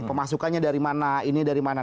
pemasukannya dari mana ini dari mana